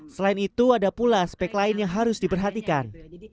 selain itu ada pula spek lain yang harus diperhatikan